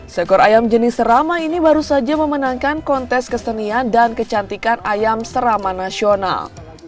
seekor ayam jenis serama ini baru saja memenangkan kontes kesenian dan kecantikan ayam serama nasional